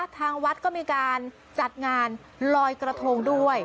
ทางวัดก็มีการจัดงานลอยกระทงด้วย